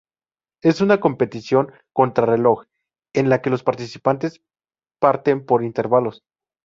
Es una competición contrarreloj, en la que los participantes parten por intervalos.